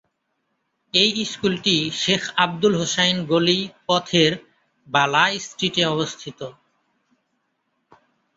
এই স্কুলটি শেখ আব্দুল হোসাইন গলি পথের বালা স্ট্রিটে অবস্থিত।